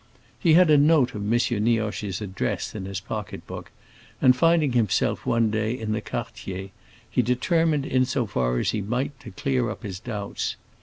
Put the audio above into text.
He had a note of M. Nioche's address in his pocket book, and finding himself one day in the quartier, he determined, in so far as he might, to clear up his doubts.